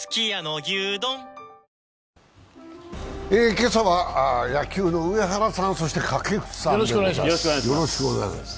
今朝は野球の上原さん、そして掛布さんです。